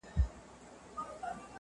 عرب وویل غنم کلي ته وړمه.!